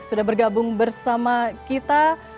sudah bergabung bersama kita